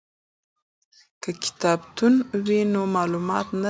که کتابتون وي نو معلومات نه ختمیږي.